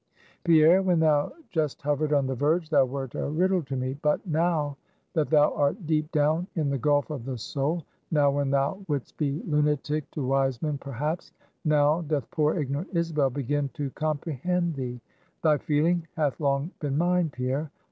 "Pierre, when thou just hovered on the verge, thou wert a riddle to me; but now, that thou art deep down in the gulf of the soul, now, when thou wouldst be lunatic to wise men, perhaps now doth poor ignorant Isabel begin to comprehend thee. Thy feeling hath long been mine, Pierre.